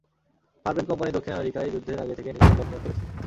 ফারবেন company দক্ষিণ আমেরিকায় যুদ্ধের আগে থেকেই নিজেদের লোক নিয়োগ করেছে।